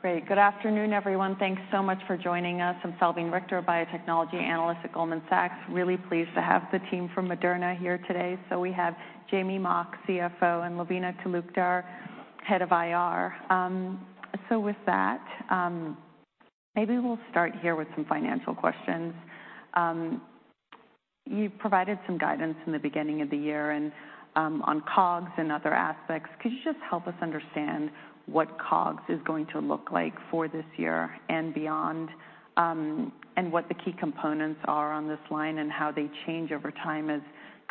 Great. Good afternoon, everyone. Thanks so much for joining us. I'm Salveen Richter, Biotechnology Analyst at Goldman Sachs. Really pleased to have the team from Moderna here today. We have Jamey Mock, CFO, and Lavina Talukdar, Head of IR. With that, maybe we'll start here with some financial questions. You've provided some guidance in the beginning of the year and on COGS and other aspects. Could you just help us understand what COGS is going to look like for this year and beyond, and what the key components are on this line and how they change over time as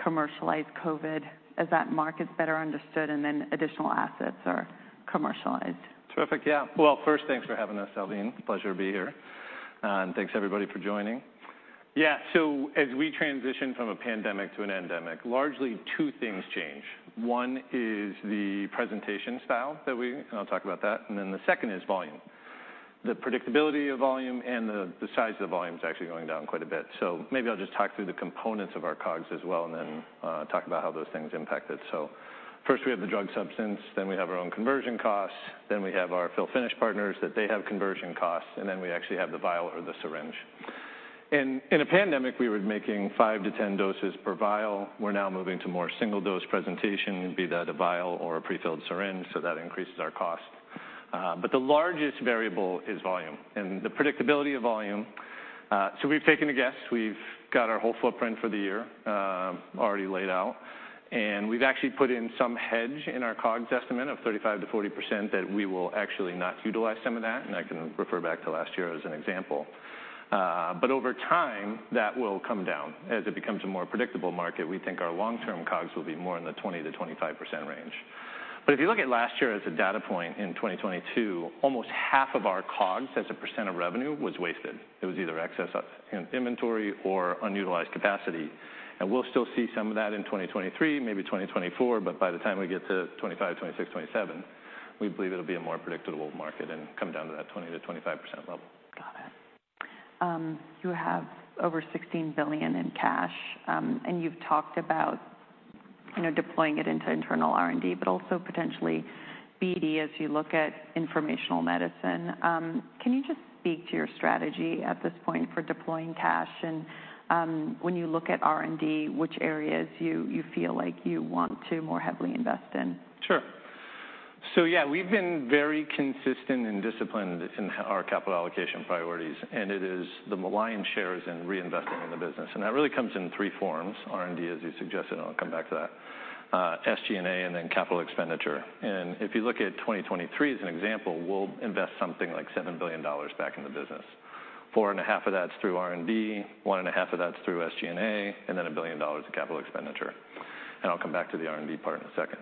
commercialized COVID as that market's better understood and then additional assets are commercialized? Terrific. Well, first, thanks for having us, Salveen. Pleasure to be here, and thanks, everybody, for joining. As we transition from a pandemic to an endemic, largely two things change. One is the presentation style that I'll talk about that, and then the second is volume. The predictability of volume and the size of the volume is actually going down quite a bit. Maybe I'll just talk through the components of our COGS as well, and then talk about how those things impact it. First, we have the drug substance, then we have our own conversion costs, then we have our fill finish partners, that they have conversion costs, and then we actually have the vial or the syringe. In a pandemic, we were making five to 10 doses per vial. We're now moving to more single-dose presentation, be that a vial or a prefilled syringe, that increases our cost. The largest variable is volume and the predictability of volume. We've taken a guess. We've got our whole footprint for the year already laid out, and we've actually put in some hedge in our COGS estimate of 35%-40% that we will actually not utilize some of that. I can refer back to last year as an example. Over time, that will come down. As it becomes a more predictable market, we think our long-term COGS will be more in the 20%-25% range. If you look at last year as a data point, in 2022, almost half of our COGS, as a percent of revenue, was wasted. It was either excess in inventory or unutilized capacity. We'll still see some of that in 2023, maybe 2024, but by the time we get to 2025, 2026, 2027, we believe it'll be a more predictable market and come down to that 20%-25% level. Got it. You have over $16 billion in cash, and you've talked about, you know, deploying it into internal R&D, but also potentially BD as you look at informational medicine. Can you just speak to your strategy at this point for deploying cash? When you look at R&D, which areas you feel like you want to more heavily invest in? Sure. Yeah, we've been very consistent and disciplined in our capital allocation priorities, and it is the lion's share is in reinvesting in the business, and that really comes in three forms: R&D, as you suggested, I'll come back to that, SG&A, and then capital expenditure. If you look at 2023 as an example, we'll invest something like $7 billion back in the business. $4.5 billion of that's through R&D, $1.5 billion of that's through SG&A, and then $1 billion in capital expenditure. I'll come back to the R&D part in a second.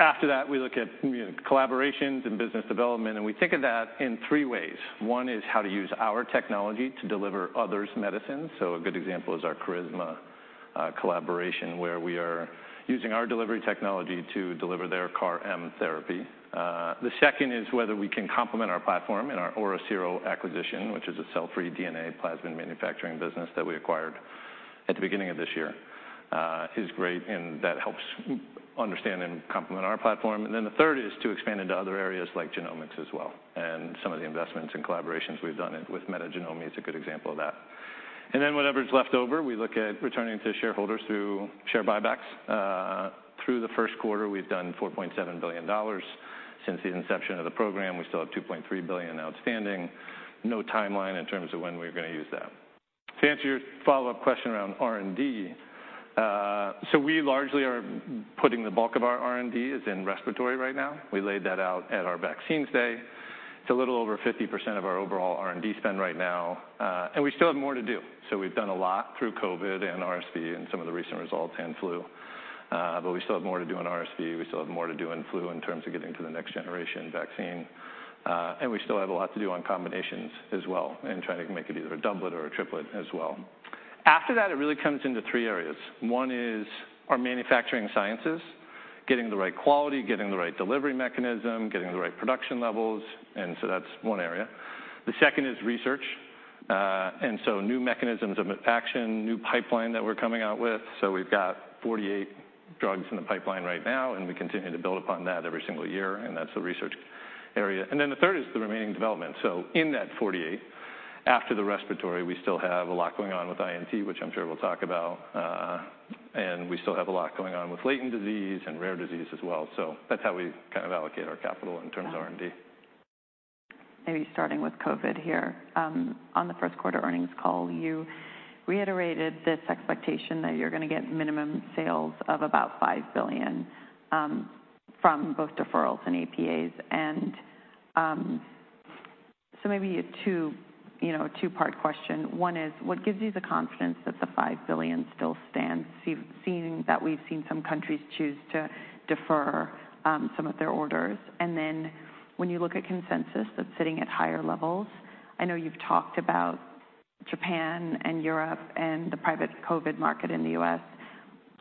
After that, we look at, you know, collaborations and business development, and we think of that in three ways. One is how to use our technology to deliver others' medicines. A good example is our Carisma collaboration, where we are using our delivery technology to deliver their CAR-M therapy. The second is whether we can complement our platform in our OriCiro acquisition, which is a cell-free DNA plasmid manufacturing business that we acquired at the beginning of this year, is great, and that helps understand and complement our platform. The third is to expand into other areas like genomics as well. Some of the investments and collaborations we've done it with Metagenomi is a good example of that. Whatever's left over, we look at returning to shareholders through share buybacks. Through the first quarter, we've done $4.7 billion. Since the inception of the program, we still have $2.3 billion outstanding. No timeline in terms of when we're gonna use that. To answer your follow-up question around R&D, we largely are putting the bulk of our R&D is in respiratory right now. We laid that out at our Vaccines Day. It's a little over 50% of our overall R&D spend right now, we still have more to do. We've done a lot through COVID and RSV and some of the recent results in flu, we still have more to do in RSV. We still have more to do in flu in terms of getting to the next generation vaccine, we still have a lot to do on combinations as well and trying to make it either a doublet or a triplet as well. After that, it really comes into three areas. One is our manufacturing sciences, getting the right quality, getting the right delivery mechanism, getting the right production levels, that's one area. The second is research, new mechanisms of action, new pipeline that we're coming out with. We've got 48 drugs in the pipeline right now, and we continue to build upon that every single year, and that's the research area. The third is the remaining development. In that 48, after the respiratory, we still have a lot going on with INT, which I'm sure we'll talk about, and we still have a lot going on with latent disease and rare disease as well. That's how we kind of allocate our capital in terms of R&D. Maybe starting with COVID here. On the first quarter earnings call, you reiterated this expectation that you're gonna get minimum sales of about $5 billion from both deferrals and APAs. Maybe a two, you know, a two-part question. One is: What gives you the confidence that the $5 billion still stands, seeing that we've seen some countries choose to defer some of their orders? When you look at consensus, that's sitting at higher levels, I know you've talked about Japan and Europe and the private COVID market in the U.S.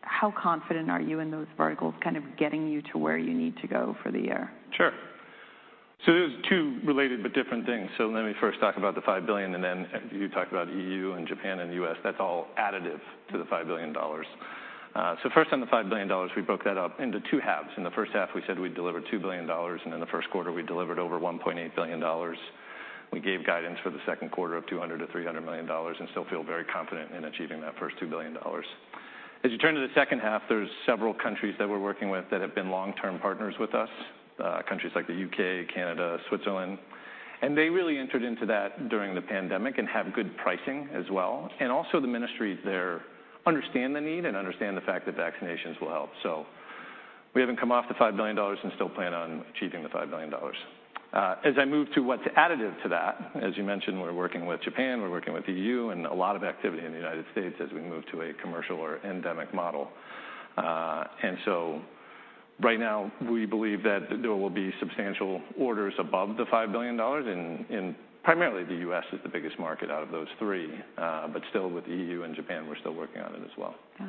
How confident are you in those verticals kind of getting you to where you need to go for the year? Sure. There's two related but different things. Let me first talk about the $5 billion, and then you talked about EU and Japan and US. That's all additive to the $5 billion. First on the $5 billion, we broke that up into two halves. In the first half, we said we'd deliver $2 billion, and in the first quarter, we delivered over $1.8 billion. We gave guidance for the second quarter of $200 million-$300 million, and still feel very confident in achieving that first $2 billion. As you turn to the second half, there's several countries that we're working with that have been long-term partners with us, countries like the U.K., Canada, Switzerland, and they really entered into that during the pandemic and have good pricing as well. Also, the ministries there understand the need and understand the fact that vaccinations will help. We haven't come off the $5 billion and still plan on achieving the $5 billion. As I move to what's additive to that, as you mentioned, we're working with Japan, we're working with the EU, and a lot of activity in the U.S. as we move to a commercial or endemic model. Right now, we believe that there will be substantial orders above the $5 billion, and primarily, the U.S. is the biggest market out of those three, but still with the EU and Japan, we're still working on it as well. Got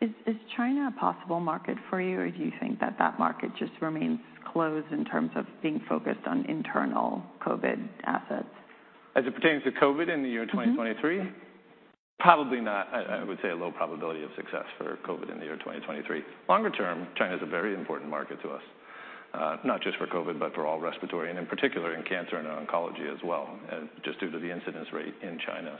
it. Is China a possible market for you, or do you think that that market just remains closed in terms of being focused on internal COVID assets? As it pertains to COVID in the year 2023? Mm-hmm. Probably not. I would say a low probability of success for COVID in 2023. Longer term, China is a very important market to us, not just for COVID, but for all respiratory and in particular, in cancer and oncology as well, just due to the incidence rate in China.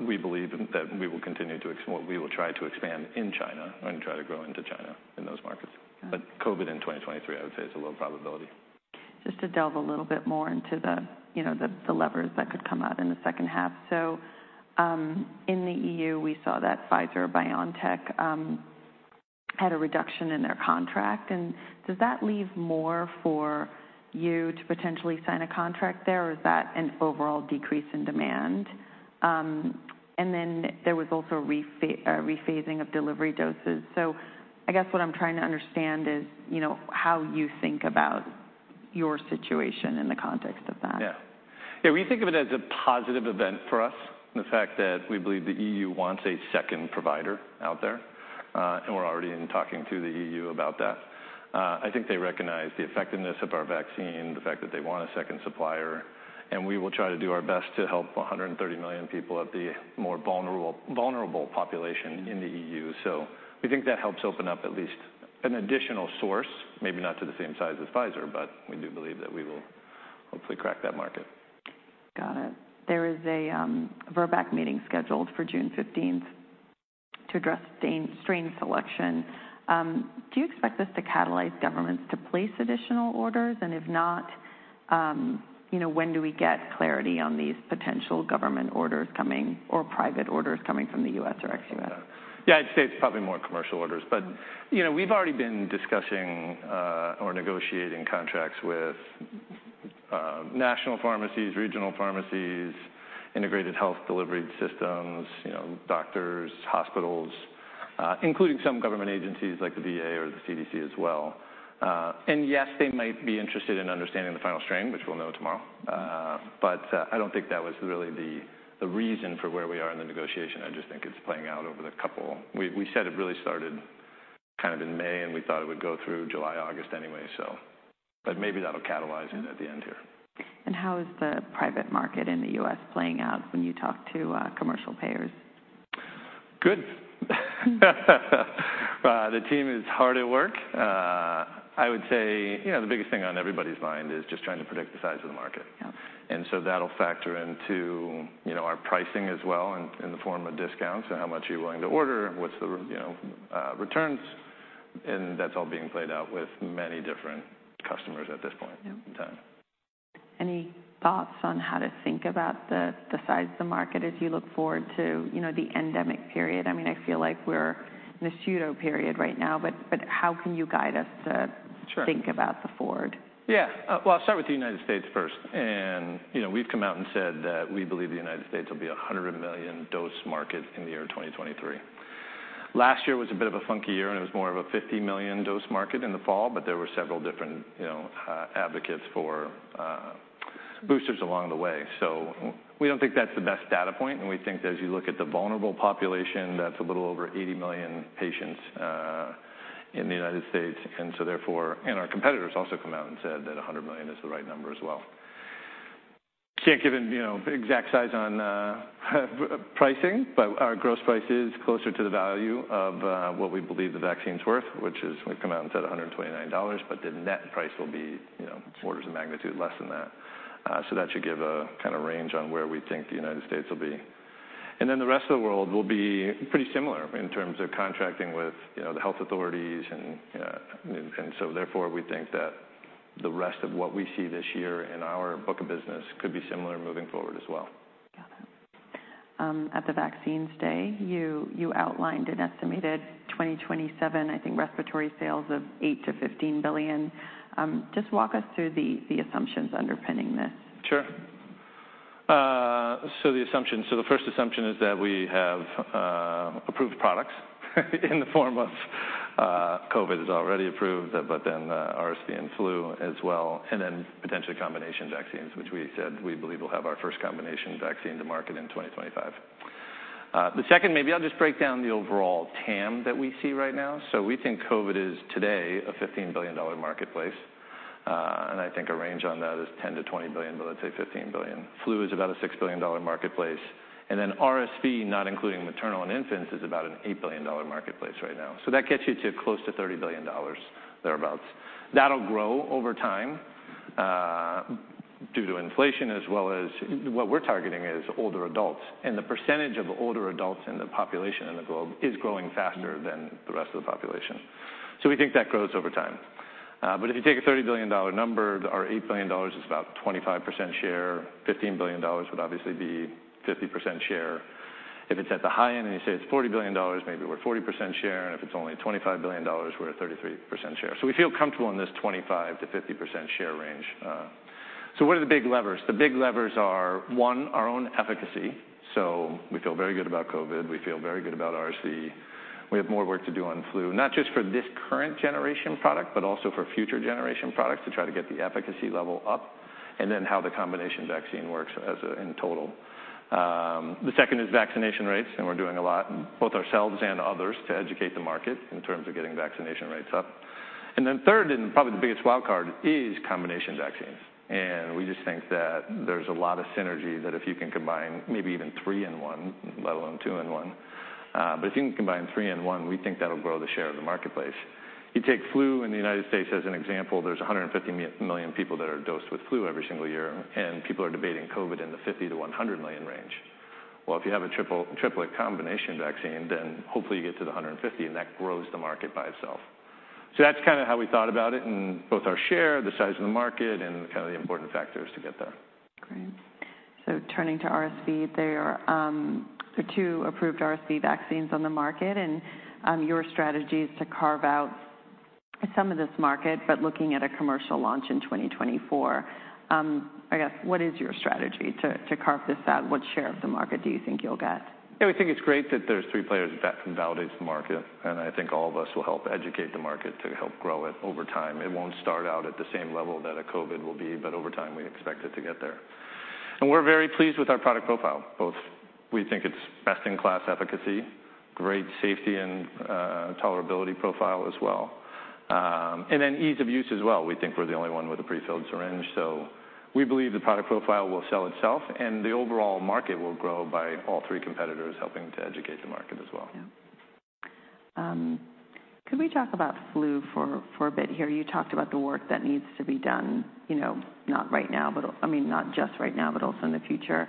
We believe that we will try to expand in China and try to grow into China in those markets. Got it. COVID in 2023, I would say, is a low probability. Just to delve a little bit more into the, you know, the levers that could come out in the second half. In the EU, we saw that Pfizer-BioNTech had a reduction in their contract, and does that leave more for you to potentially sign a contract there, or is that an overall decrease in demand? There was also rephasing of delivery doses. I guess what I'm trying to understand is, you know, how you think about your situation in the context of that. Yeah. Yeah, we think of it as a positive event for us, and the fact that we believe the EU wants a second provider out there, and we're already in talking to the EU about that. I think they recognize the effectiveness of our vaccine, the fact that they want a second supplier, and we will try to do our best to help 130 million people of the more vulnerable population in the EU. We think that helps open up at least an additional source, maybe not to the same size as Pfizer, but we do believe that we will hopefully crack that market. Got it. There is a VRBPAC meeting scheduled for June 15th to address strain selection. Do you expect this to catalyze governments to place additional orders, and if not, you know, when do we get clarity on these potential government orders coming or private orders coming from the U.S. or ex-U.S.? Yeah, I'd say it's probably more commercial orders. Mm. You know, we've already been discussing or negotiating contracts with national pharmacies, regional pharmacies, integrated health delivery systems, you know, doctors, hospitals, including some government agencies like the VA or the CDC as well. Yes, they might be interested in understanding the final strain, which we'll know tomorrow, but I don't think that was really the reason for where we are in the negotiation. I just think it's playing out over the couple. We said it really started kind of in May, and we thought it would go through July, August anyway. Maybe that'll catalyze it at the end here. How is the private market in the U.S. playing out when you talk to, commercial payers? Good. The team is hard at work. I would say, you know, the biggest thing on everybody's mind is just trying to predict the size of the market. Yeah. That'll factor into, you know, our pricing as well in the form of discounts and how much you're willing to order, what's the, you know, returns, and that's all being played out with many different customers at this point in time. Any thoughts on how to think about the size of the market as you look forward to, you know, the endemic period? I mean, I feel like we're in a pseudo period right now, but how can you guide us? Sure Think about the forward? Well, I'll start with the United States first, you know, we've come out and said that we believe the United States will be a 100 million dose market in the year 2023. Last year was a bit of a funky year, and it was more of a 50 million dose market in the fall, but there were several different, you know, advocates for boosters along the way. We don't think that's the best data point, and we think that as you look at the vulnerable population, that's a little over 80 million patients in the United States, and so therefore. Our competitors also come out and said that a 100 million is the right number as well. Can't give you know, exact size on pricing, but our gross price is closer to the value of what we believe the vaccine's worth, which is, we've come out and said $129, but the net price will be, you know, orders of magnitude less than that. That should give a kind of range on where we think the United States will be. The rest of the world will be pretty similar in terms of contracting with, you know, the health authorities and so therefore, we think that the rest of what we see this year in our book of business could be similar moving forward as well. Got it. At the Vaccines Day, you outlined an estimated 2027, I think, respiratory sales of $8 billion-$15 billion. Just walk us through the assumptions underpinning this? Sure. The assumptions. The first assumption is that we have approved products, in the form of COVID is already approved, RSV and flu as well, potentially combination vaccines, which we said we believe will have our first combination vaccine to market in 2025. The second, maybe I'll just break down the overall TAM that we see right now. We think COVID is, today, a $15 billion marketplace. I think a range on that is $10 billion-$20 billion, but let's say $15 billion. Flu is about a $6 billion marketplace. RSV, not including maternal and infants, is about an $8 billion marketplace right now. That gets you to close to $30 billion, thereabouts. That'll grow over time, due to inflation as well as what we're targeting is older adults, and the percentage of older adults in the population in the globe is growing faster than the rest of the population. We think that grows over time. But if you take a $30 billion number, our $8 billion is about 25% share. $15 billion would obviously be 50% share. If it's at the high end, and you say it's $40 billion, maybe we're at 40% share, and if it's only $25 billion, we're at 33% share. We feel comfortable in this 25%-50% share range. What are the big levers? The big levers are, one, our own efficacy. We feel very good about COVID. We feel very good about RSV. We have more work to do on flu, not just for this current generation product, but also for future generation products to try to get the efficacy level up, and then how the combination vaccine works as a, in total. The second is vaccination rates, we're doing a lot, both ourselves and others, to educate the market in terms of getting vaccination rates up. Third, and probably the biggest wild card, is combination vaccines. We just think that there's a lot of synergy that if you can combine maybe even three in one, let alone two in one, but if you can combine three in one, we think that'll grow the share of the marketplace. You take flu in the United States as an example, there's 150 million people that are dosed with flu every single year, and people are debating COVID in the 50 million-100 million range. If you have a triplet combination vaccine, hopefully you get to the 150, and that grows the market by itself. That's kinda how we thought about it, both our share, the size of the market, and kinda the important factors to get there. Great. Turning to RSV, there are two approved RSV vaccines on the market. Your strategy is to carve out some of this market, but looking at a commercial launch in 2024. I guess, what is your strategy to carve this out? What share of the market do you think you'll get? We think it's great that there's three players. That validates the market, and I think all of us will help educate the market to help grow it over time. It won't start out at the same level that a COVID will be, but over time, we expect it to get there. We're very pleased with our product profile. Both, we think it's best-in-class efficacy, great safety and tolerability profile as well, and then ease of use as well. We think we're the only one with a prefilled syringe, so we believe the product profile will sell itself, and the overall market will grow by all three competitors helping to educate the market as well. Yeah. Could we talk about flu for a bit here? You talked about the work that needs to be done, you know, not right now, but, I mean, not just right now, but also in the future.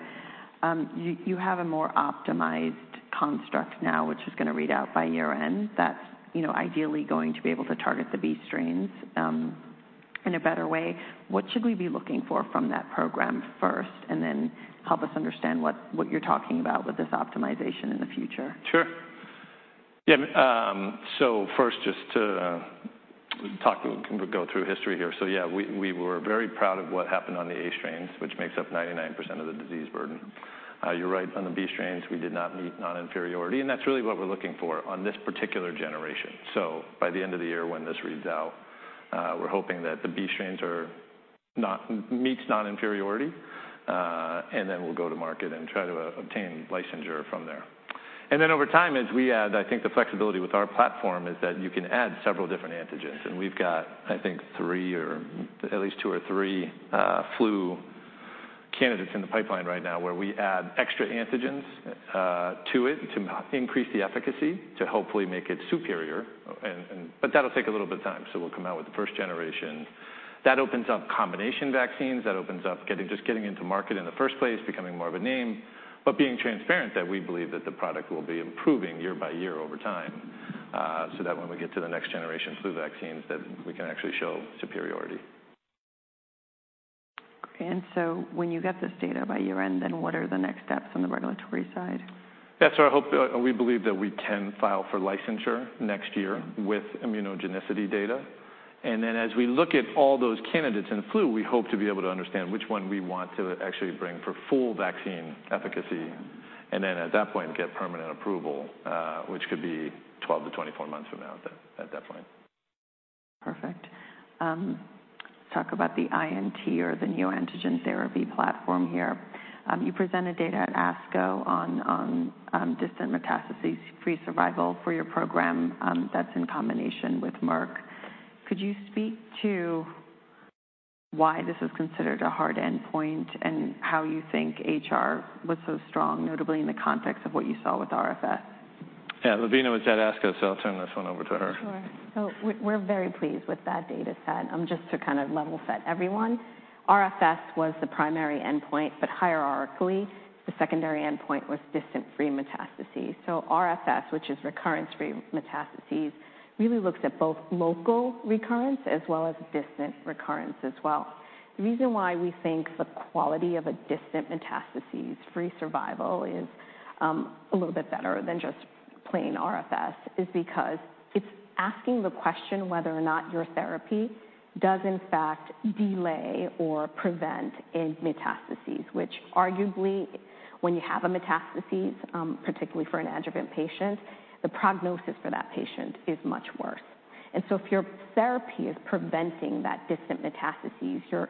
You have a more optimized construct now, which is gonna read out by year-end, that's, you know, ideally going to be able to target the B strains in a better way. What should we be looking for from that program first, and then help us understand what you're talking about with this optimization in the future? Sure. Yeah, first, just to go through history here. We were very proud of what happened on the A strains, which makes up 99% of the disease burden. You're right, on the B strains, we did not meet non-inferiority, and that's really what we're looking for on this particular generation. By the end of the year, when this reads out, we're hoping that the B strains meets non-inferiority, and then we'll go to market and try to obtain licensure from there. Over time, as we add, I think the flexibility with our platform is that you can add several different antigens. We've got, I think, three or at least two or three flu candidates in the pipeline right now, where we add extra antigens to it to increase the efficacy, to hopefully make it superior. That'll take a little bit of time. We'll come out with the first generation. That opens up combination vaccines, that opens up getting, just getting into market in the first place, becoming more of a name, but being transparent that we believe that the product will be improving year by year over time, so that when we get to the next generation flu vaccines, that we can actually show superiority. Great. When you get this data by year-end, then what are the next steps on the regulatory side? That's our hope. We believe that we can file for licensure next year with immunogenicity data. As we look at all those candidates in the flu, we hope to be able to understand which one we want to actually bring for full vaccine efficacy, and then at that point, get permanent approval, which could be 12-24 months from now at that point. Perfect. Talk about the INT or the neoantigen therapy platform here. You presented data at ASCO on distant metastasis-free survival for your program, that's in combination with Merck. Could you speak to why this is considered a hard endpoint and how you think HR was so strong, notably in the context of what you saw with RFS? Yeah, Lavina was at ASCO. I'll turn this one over to her. Sure. We, we're very pleased with that data set. Just to kind of level set everyone, RFS was the primary endpoint, but hierarchically, the secondary endpoint was distant metastasis-free survival. RFS, which is Recurrence-Free Survival, really looks at both local recurrence as well as distant recurrence as well. The reason why we think the quality of a distant metastasis-free survival is a little bit better than just plain RFS, is because it's asking the question whether or not your therapy does in fact delay or prevent a metastasis, which arguably, when you have a metastasis, particularly for an adjuvant patient, the prognosis for that patient is much worse. If your therapy is preventing that distant metastasis, you're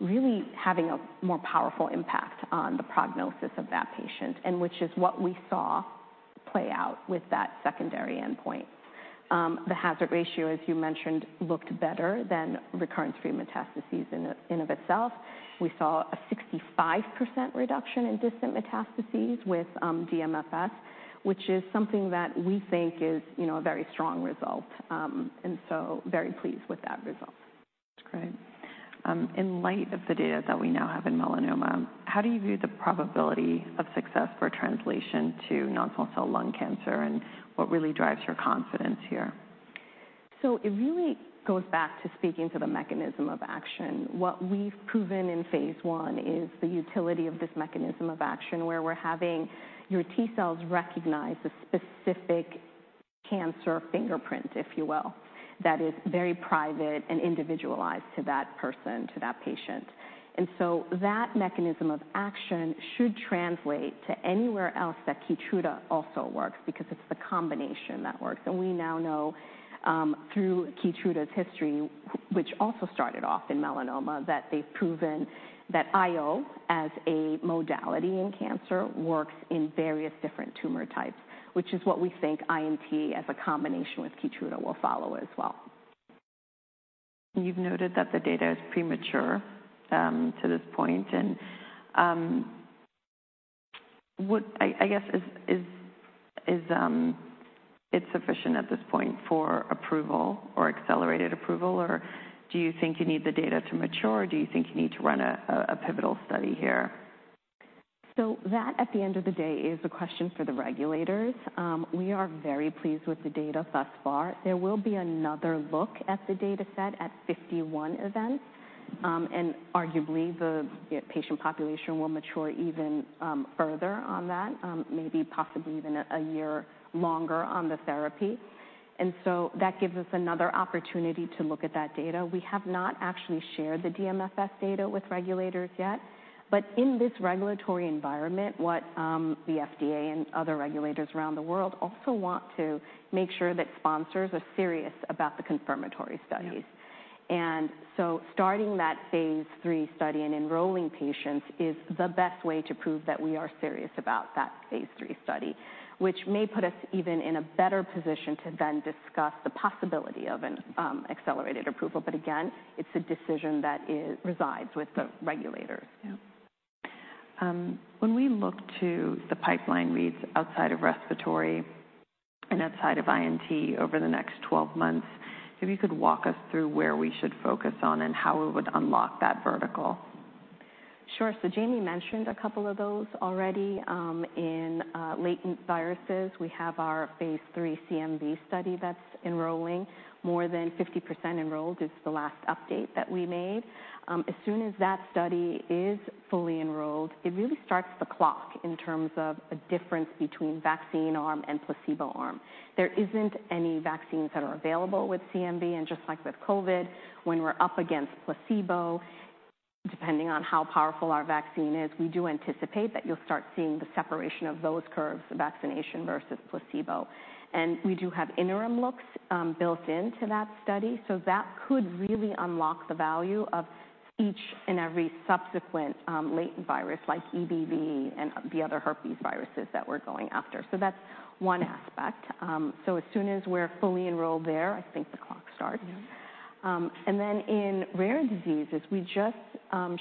really having a more powerful impact on the prognosis of that patient, and which is what we saw play out with that secondary endpoint. The hazard ratio, as you mentioned, looked better than recurrence-free metastases in of itself. We saw a 65% reduction in distant metastases with DMFS, which is something that we think is, you know, a very strong result, very pleased with that result. That's great. In light of the data that we now have in melanoma, how do you view the probability of success for translation to non-small cell lung cancer, and what really drives your confidence here? It really goes back to speaking to the mechanism of action. What we've proven in phase I is the utility of this mechanism of action, where we're having your T-cells recognize the specific cancer fingerprint, if you will, that is very private and individualized to that person, to that patient. That mechanism of action should translate to anywhere else that KEYTRUDA also works, because it's the combination that works. We now know through KEYTRUDA's history, which also started off in melanoma, that they've proven that IO, as a modality in cancer, works in various different tumor types, which is what we think INT as a combination with KEYTRUDA will follow as well. You've noted that the data is premature, to this point, and, I guess, is it sufficient at this point for approval or accelerated approval, or do you think you need the data to mature, or do you think you need to run a pivotal study here? That, at the end of the day, is a question for the regulators. We are very pleased with the data thus far. There will be another look at the data set at 51 events, and arguably, the patient population will mature even further on that, maybe possibly even a year longer on the therapy. That gives us another opportunity to look at that data. We have not actually shared the DMFS data with regulators yet. In this regulatory environment, what the FDA and other regulators around the world also want to make sure that sponsors are serious about the confirmatory studies. Yeah. Starting that phase 3 study and enrolling patients is the best way to prove that we are serious about that phase 3 study, which may put us even in a better position to then discuss the possibility of an accelerated approval. Again, it's a decision that resides with the regulators. Yeah. When we look to the pipeline reads outside of respiratory and outside of INT over the next 12 months, if you could walk us through where we should focus on and how we would unlock that vertical? Sure. Jamie mentioned a couple of those already. In latent viruses, we have our phase III CMV study that's enrolling. More than 50% enrolled is the last update that we made. As soon as that study is fully enrolled, it really starts the clock in terms of a difference between vaccine arm and placebo arm. There isn't any vaccines that are available with CMV, just like with COVID, when we're up against placebo, depending on how powerful our vaccine is, we do anticipate that you'll start seeing the separation of those curves, the vaccination versus placebo. We do have interim looks built into that study, so that could really unlock the value of each and every subsequent latent virus, like EBV and the other herpes viruses that we're going after. That's one aspect. As soon as we're fully enrolled there, I think the clock starts. Yeah. In rare diseases, we just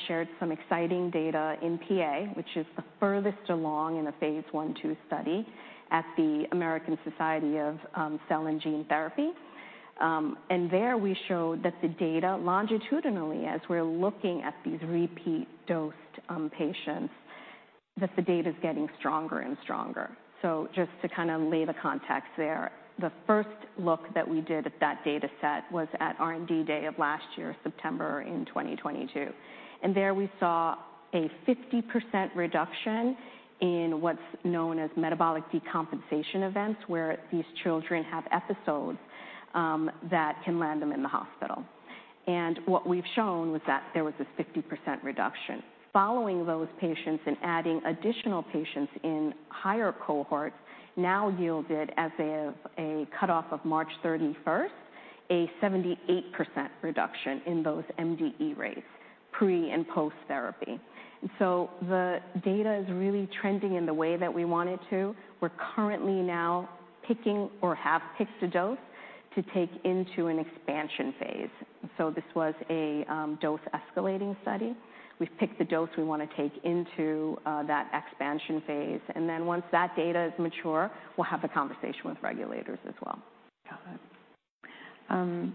shared some exciting data in PA, which is the furthest along in a phase 1, 2 study at the American Society of Gene & Cell Therapy. There we showed that the data, longitudinally, as we're looking at these repeat dosed patients, that the data is getting stronger and stronger. Just to kind of lay the context there, the first look that we did at that data set was at R&D Day of last year, September 2022, there we saw a 50% reduction in what's known as metabolic decompensation events, where these children have episodes that can land them in the hospital. What we've shown was that there was a 50% reduction. Following those patients and adding additional patients in higher cohorts now yielded, as of a cutoff of March 31st, a 78% reduction in those MDE rates, pre- and post-therapy. The data is really trending in the way that we want it to. We're currently now picking or have picked a dose to take into an expansion phase. This was a dose-escalating study. We've picked the dose we want to take into that expansion phase. Once that data is mature, we'll have a conversation with regulators as well. Got it.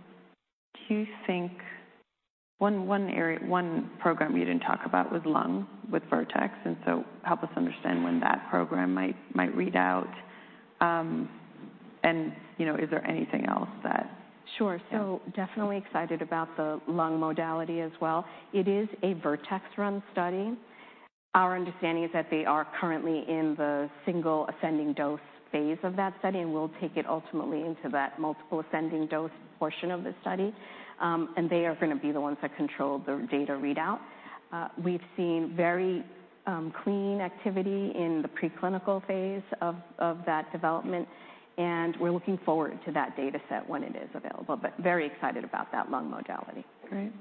Do you think One area, one program you didn't talk about was lung with Vertex, and so help us understand when that program might read out, and, you know, is there anything else? Sure. Yeah. Definitely excited about the lung modality as well. It is a Vertex-run study. Our understanding is that they are currently in the single ascending dose phase of that study, and we'll take it ultimately into that multiple ascending dose portion of the study. They are going to be the ones that control the data readout. We've seen very clean activity in the preclinical phase of that development, and we're looking forward to that data set when it is available, but very excited about that lung modality. Great.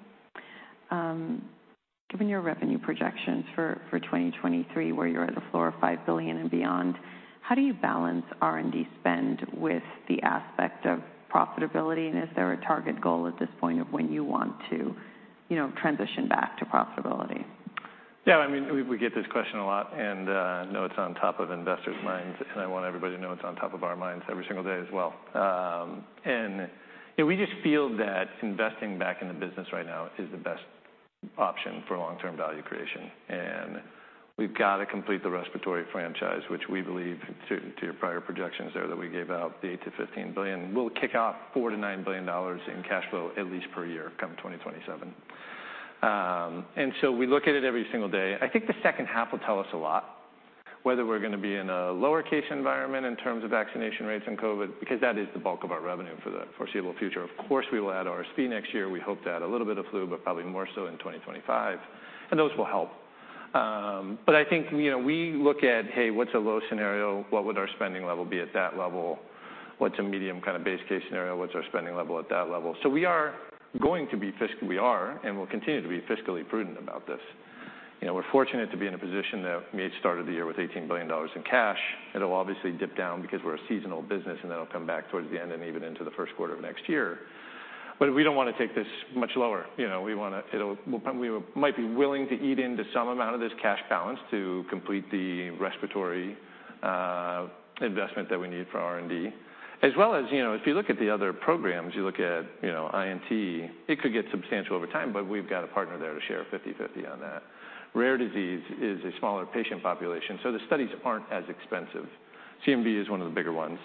given your revenue projections for 2023, where you're at the floor of $5 billion and beyond, how do you balance R&D spend with the aspect of profitability? Is there a target goal at this point of when you want to, you know, transition back to profitability? Yeah, I mean, we get this question a lot, know it's on top of investors' minds, and I want everybody to know it's on top of our minds every single day as well. And we just feel that investing back in the business right now is the best option for long-term value creation. We've got to complete the respiratory franchise, which we believe, to your prior projections there, that we gave out, the $8 billion-$15 billion. We'll kick off $4 billion-$9 billion in cash flow at least per year, come 2027. We look at it every single day. I think the second half will tell us a lot, whether we're gonna be in a lower case environment in terms of vaccination rates and COVID, because that is the bulk of our revenue for the foreseeable future. Of course, we will add RSV next year. We hope to add a little bit of flu, but probably more so in 2025, and those will help. I think, you know, we look at, "Hey, what's a low scenario? What would our spending level be at that level? What's a medium kind of base case scenario? What's our spending level at that level?" We are and will continue to be fiscally prudent about this. You know, we're fortunate to be in a position that we had started the year with $18 billion in cash. It'll obviously dip down because we're a seasonal business, and then it'll come back towards the end and even into the first quarter of next year. We don't want to take this much lower. You know, we might be willing to eat into some amount of this cash balance to complete the respiratory investment that we need for R&D. If you look at the other programs, you look at, you know, INT, it could get substantial over time, but we've got a partner there to share 50/50 on that. Rare disease is a smaller patient population, the studies aren't as expensive. CMV is one of the bigger ones.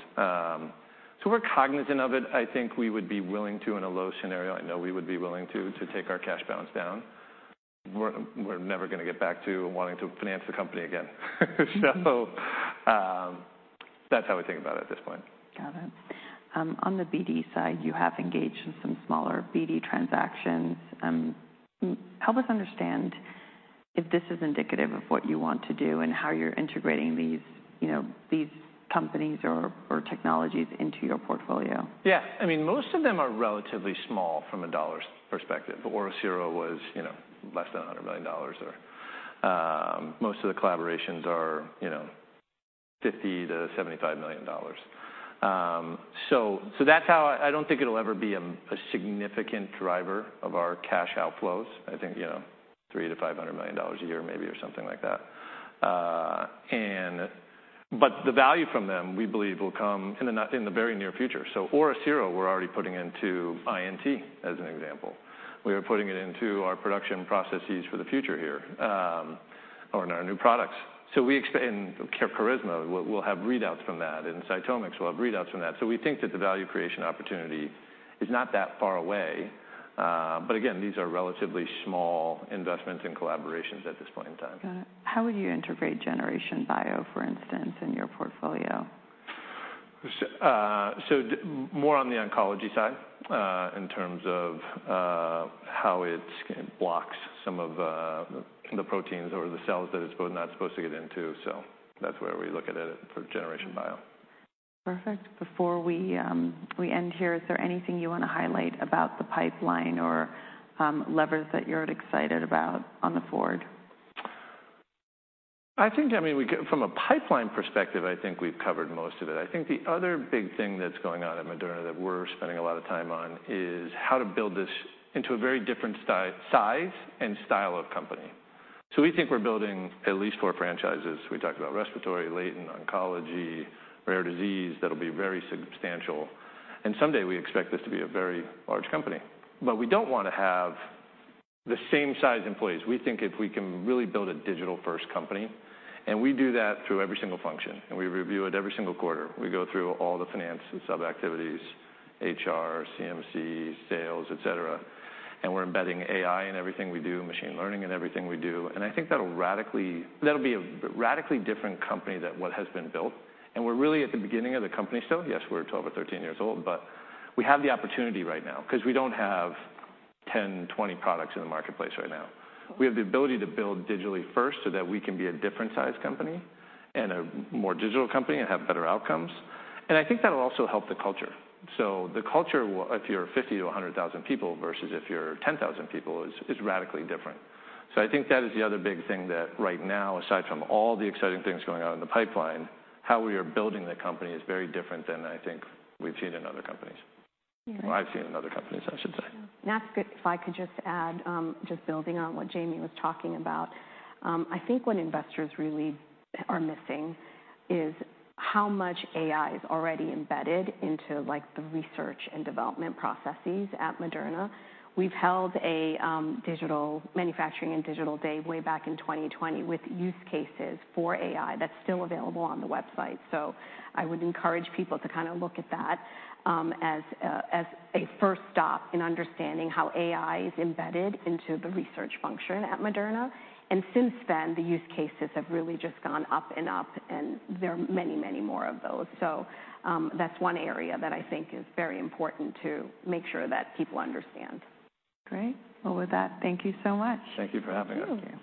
We're cognizant of it. I think we would be willing to, in a low scenario, I know we would be willing to take our cash balance down. We're never gonna get back to wanting to finance the company again. That's how we think about it at this point. Got it. On the BD side, you have engaged in some smaller BD transactions. Help us understand if this is indicative of what you want to do and how you're integrating these, you know, these companies or technologies into your portfolio. I mean, most of them are relatively small from a dollars perspective. OriCiro was, you know, less than $100 million, or most of the collaborations are, you know, $50 million-$75 million. I don't think it'll ever be a significant driver of our cash outflows. I think, you know, $300 million-$500 million a year maybe or something like that. The value from them, we believe, will come in the very near future. OriCiro, we're already putting into INT, as an example. We are putting it into our production processes for the future here, or in our new products. Carisma, we'll have readouts from that, and CytomX, we'll have readouts from that. We think that the value creation opportunity is not that far away, but again, these are relatively small investments and collaborations at this point in time. Got it. How would you integrate Generation Bio, for instance, in your portfolio? So more on the oncology side, in terms of, how it blocks some of, the proteins or the cells that it's not supposed to get into, so that's where we look at it for Generation Bio. Perfect. Before we end here, is there anything you want to highlight about the pipeline or levers that you're excited about on the forward? I think, I mean, From a pipeline perspective, I think we've covered most of it. I think the other big thing that's going on at Moderna that we're spending a lot of time on is how to build this into a very different size and style of company. We think we're building at least four franchises. We talked about respiratory, latent, oncology, rare disease, that'll be very substantial, and someday we expect this to be a very large company. We don't want to have the same size employees. We think if we can really build a digital-first company, and we do that through every single function, and we review it every single quarter. We go through all the finance and sub-activities, HR, CMC, sales, et cetera. We're embedding AI in everything we do, machine learning in everything we do. I think that'll be a radically different company than what has been built. We're really at the beginning of the company still. Yes, we're 12 or 13 years old, but we have the opportunity right now because we don't have 10, 20 products in the marketplace right now. We have the ability to build digitally first, so that we can be a different sized company and a more digital company and have better outcomes. I think that'll also help the culture. The culture will if you're 50,000 to 100,000 people versus if you're 10,000 people, is radically different. I think that is the other big thing that right now, aside from all the exciting things going on in the pipeline, how we are building the company is very different than I think we've seen in other companies. Yeah. I've seen in other companies, I should say. Sure. That's good. If I could just add, just building on what Jamie was talking about, I think what investors really are missing is how much AI is already embedded into, like, the research and development processes at Moderna. We've held a, digital- manufacturing and digital day way back in 2020 with use cases for AI. That's still available on the website. I would encourage people to kind of look at that, as a, as a first stop in understanding how AI is embedded into the research function at Moderna. Since then, the use cases have really just gone up and up, and there are many, many more of those. That's one area that I think is very important to make sure that people understand. Great! Well, with that, thank you so much. Thank you for having us. Thank you.